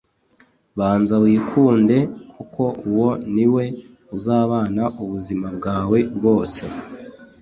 banza wikunde, kuko uwo ni we uzabana ubuzima bwawe bwose